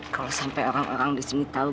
kalau sampai orang orang disini tahu